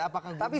tapi setan itu di